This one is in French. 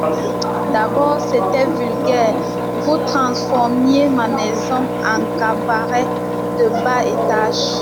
D’abord, c’était vulgaire : vous transformiez ma maison en cabaret de bas étage.